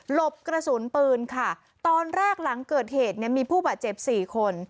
บกระสุนปืนค่ะตอนแรกหลังเกิดเหตุเนี่ยมีผู้บาดเจ็บสี่คน